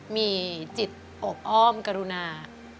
มีจิตอบอ้อมกรุณา